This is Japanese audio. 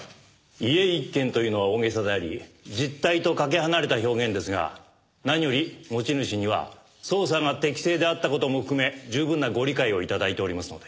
家一軒というのは大げさであり実態とかけ離れた表現ですが何より持ち主には捜査が適正であった事も含め十分なご理解を頂いておりますので。